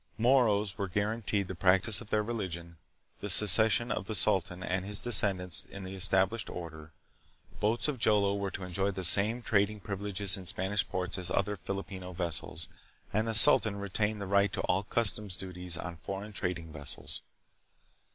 The Moros were guaranteed the practice of their religion, the succession of the sultan and his descendants in the established order, boats of Jolo were to enjoy the same trading privileges in Spanish ports as other Filipino vessels, and the sultan retained the right to all customs duties on foreign trading vessels.